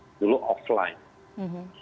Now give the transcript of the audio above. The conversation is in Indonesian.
lalu dibawa ke kantor polisi